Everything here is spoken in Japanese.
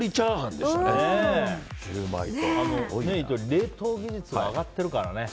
冷凍技術も上がってるからね。